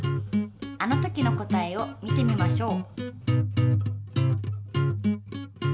あの時の答えを見てみましょう。